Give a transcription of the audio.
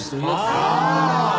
ああ！